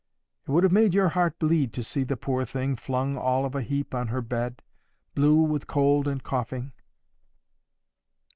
It would have made your heart bleed to see the poor thing flung all of a heap on her bed, blue with cold and coughing.